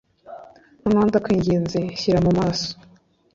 noneho, ndakwinginze, nshyira mu maraso